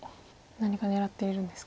何か狙っているんですか。